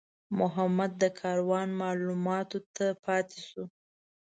محمد د کاروان مالونو ته پاتې شو.